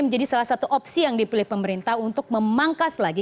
jadi salah satu opsi yang dipilih pemerintah untuk memangkas lagi